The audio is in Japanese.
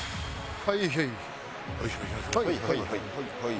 はいはいはいはい。